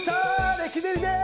レキデリです。